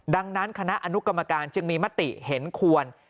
ดังนั้นคณะอนุกรรมการจึงมีมติเห็นควร